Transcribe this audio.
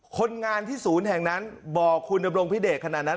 คนงานที่ศูนย์แห่งนั้นบอกคุณดำรงพิเดชขนาดนั้น